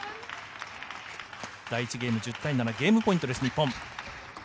第１ゲーム１０対７、ゲームポイントです日本。